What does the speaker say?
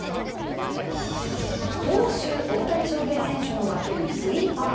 投手・大谷翔平選手の魔球スイーパー。